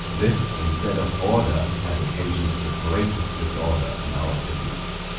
This, instead of order, has occasioned the greatest disorder in our city.